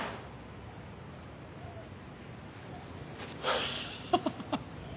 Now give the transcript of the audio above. ハハハハッ！